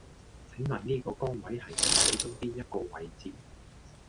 請問呢個崗位係喺團隊中邊一個位置?